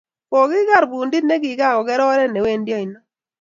Kokigar pundit ne kokakoger oret newendi aino